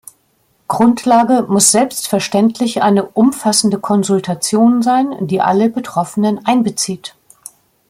Grundlage muss selbstverständlich eine umfassende Konsultation sein, die alle Betroffenen einbezieht.